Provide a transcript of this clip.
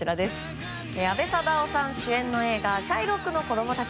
阿部サダヲさん主演の映画「シャイロックの子供たち」。